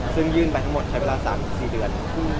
ซึ่งยื่นไปทั้งหมดใช้เวลา๓๔เดือน